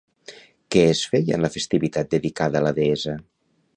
Què es feia en la festivitat dedicada a la deessa?